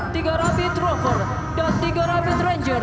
tiga rapid rover dan tiga rapid ranger